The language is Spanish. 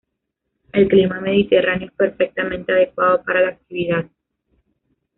El clima mediterráneo es perfectamente adecuado para la actividad.